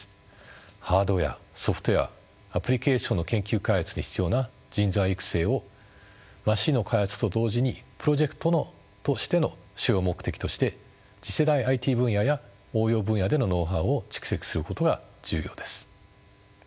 ハードウエアソフトウエアアプリケーションの研究開発に必要な人材育成をマシンの開発と同時にプロジェクトとしての主要目的として次世代ＩＴ分野や応用分野でのノウハウを蓄積することが重要です。